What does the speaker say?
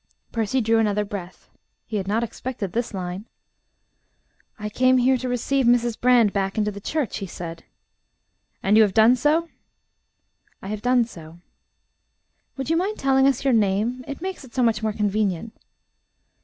Percy drew another breath. He had not expected this line. "I came here to receive Mrs. Brand back into the Church," he said. "And you have done so?" "I have done so." "Would you mind telling us your name? It makes it so much more convenient."